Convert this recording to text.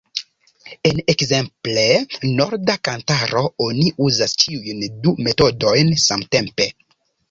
En ekzemple Norda Kantaro oni uzas ĉiujn du metodojn samtempe.